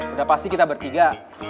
udah pasti kita bertiga